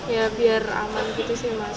ya biar aman gitu sih mas